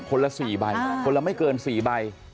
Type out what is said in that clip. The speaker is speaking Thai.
คนละ๔ใบคนละไม่เกิน๔ใบ